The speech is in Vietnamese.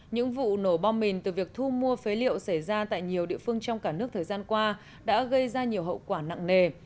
những vụ nổ bom mìn từ việc thu mua phế liệu xảy ra tại nhiều địa phương trong cả nước thời gian qua đã gây ra nhiều hậu quả nặng nề